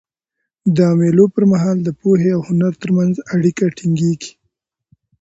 د مېلو پر مهال د پوهي او هنر ترمنځ اړیکه ټینګيږي.